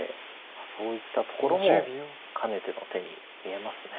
そういったところも兼ねての手に見えます。